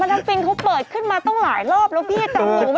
มาดามฟินเขาเปิดขึ้นมาต้องหลายรอบแล้วพี่ยังจำไปรู้ไม่ได้